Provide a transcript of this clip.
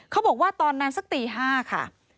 เขาบอกว่าตอนนั้นสักตี๕ค่ะ